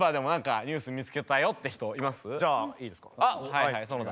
はいはい園田。